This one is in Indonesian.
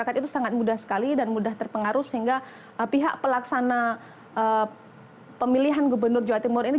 masyarakat itu sangat mudah sekali dan mudah terpengaruh sehingga pihak pelaksana pemilihan gubernur jawa timur ini